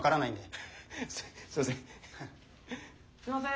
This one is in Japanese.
すいません